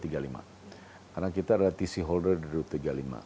karena kita adalah tc holder di dua ratus tiga puluh lima